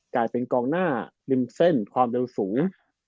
กลายเป็นกองหน้าริมเส้นความเร็วสูง